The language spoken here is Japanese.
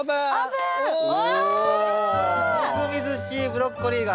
みずみずしいブロッコリーが！